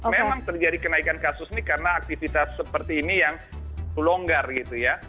memang terjadi kenaikan kasus ini karena aktivitas seperti ini yang longgar gitu ya